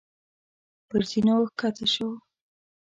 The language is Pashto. پر زينو کښته شو.